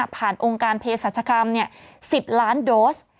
ผ่านองค์การเพชรศักดิ์กรรมนี่๑๐ล้านโดส